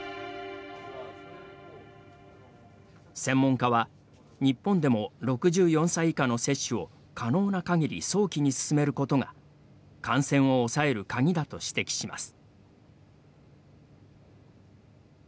専門家は、日本でも６４歳以下の接種を可能なかぎり早期に進めることが感染を抑える鍵だと指摘します。